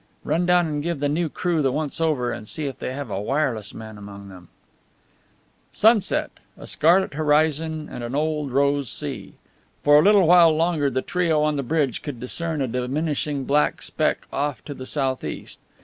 Run down and give the new crew the once over, and see if they have a wireless man among them." Sunset a scarlet horizon and an old rose sea. For a little while longer the trio on the bridge could discern a diminishing black speck off to the southeast.